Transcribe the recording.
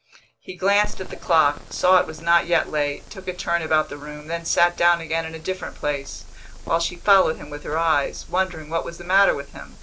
He glanced at the clock, saw it was not yet late, took a turn about the room, then sat down again in a different place, while she followed him with her eyes, wondering what was the matter with him.